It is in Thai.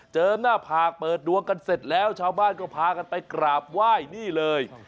หน้าผากเปิดดวงกันเสร็จแล้วชาวบ้านก็พากันไปกราบไหว้นี่เลย